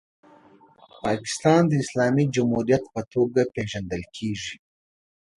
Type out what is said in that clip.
پاکستان د اسلامي جمهوریت په توګه پیژندل کیږي.